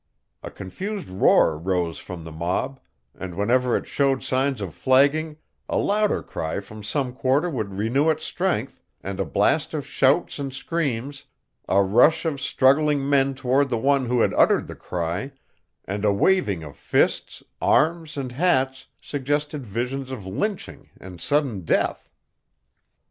A confused roar rose from the mob, and whenever it showed signs of flagging a louder cry from some quarter would renew its strength, and a blast of shouts and screams, a rush of struggling men toward the one who had uttered the cry, and a waving of fists, arms, and hats, suggested visions of lynching and sudden death.